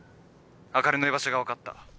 あかりの居場所が分かった。